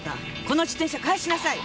この自転車返しなさい！